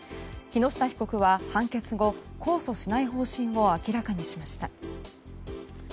木下被告は判決後、控訴しない方針を明らかにしました。